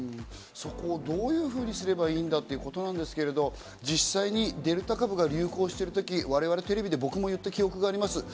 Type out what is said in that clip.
そこをどういうふうにすればいいんだということですが、実際デルタ株が流行しているとき、我々、テレビで僕も言った記憶があります。